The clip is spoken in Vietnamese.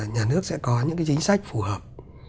nhà nước sẽ có những chính sách phù hợp